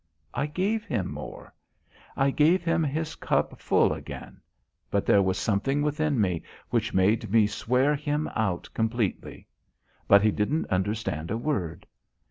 I gave him more; I gave him his cup full again, but there was something within me which made me swear him out completely. But he didn't understand a word.